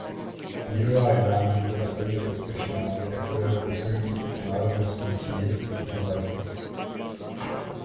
Mírová jednání byla stejně neúspěšná jako jeho úsilí o národnostní smír v monarchii.